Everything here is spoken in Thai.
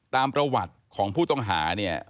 ตามประวัติของผู้ต้องหาเนี่ย